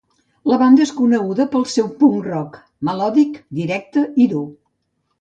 La banda és coneguda pel seu punk-rock melòdic, directe i dur.